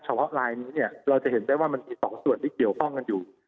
ว่าลายนี้เนี่ยเราจะเห็นได้ว่ามันมี๒ส่วนที่เกี่ยวข้องกันอยู่